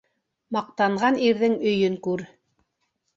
Маҡтанған ирҙең өйөн күр.